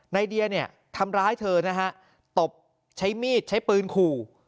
ในเดียเนี่ยทำร้ายเธอนะฮะตบใช้มีดใช้ปืนขู่